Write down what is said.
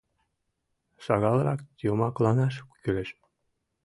— Шагалрак йомакланаш кӱлеш.